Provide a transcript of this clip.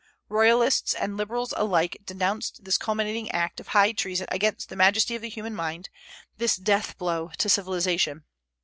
Royalists and liberals alike denounced this culminating act of high treason against the majesty of the human mind, this death blow to civilization.